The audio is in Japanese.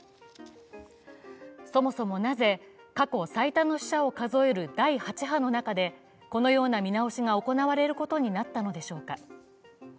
そもそもなぜ過去最多の死者を数える第８波の中でこのような見直しが行われることになったのでしょうか。